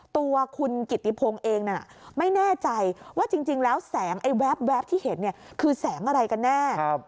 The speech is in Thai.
ตัวคุณกิติพงศ์เองไม่แน่ใจว่าจริงแล้วแสงไอ้แว๊บที่เห็นคือแสงอะไรกันแน่